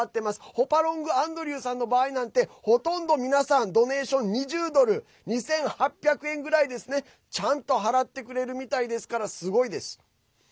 ホパロング・アンドリューさんの場合なんて、ほとんど皆さんドネーション、２０ドル２８００円ぐらいですねちゃんと払ってくれるみたいですからすごいです。